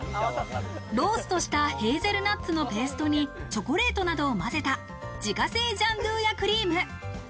ローストしたヘーゼルナッツのペーストに、チョコレートなどをまぜた自家製ジャンドゥーヤクリーム。